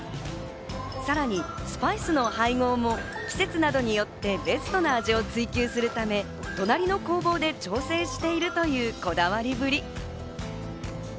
さらにスパイスの配合も季節などによってベストな味を追求するため、隣の工房で調整しているというこだわりぶり。